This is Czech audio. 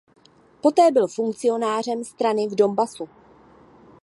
Poté byl funkcionářem strany v Donbasu.